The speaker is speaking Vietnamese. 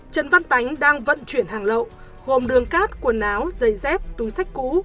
trần văn tánh đang vận chuyển hàng lậu gồm đường cát quần áo giày dép túi sách cũ